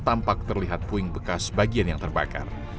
tampak terlihat puing bekas bagian yang terbakar